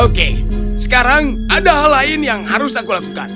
oke sekarang ada hal lain yang harus aku lakukan